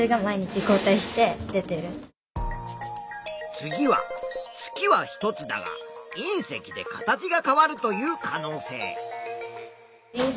次は月は１つだがいん石で形が変わるという可能性。